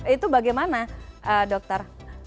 itu bagaimana dokter